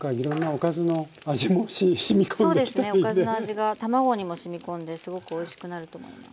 おかずの味が卵にもしみ込んですごくおいしくなると思います。